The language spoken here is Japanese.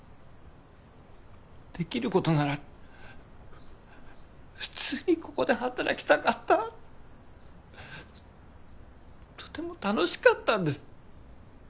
できることなら普通にここで働きたかったとても楽しかったんです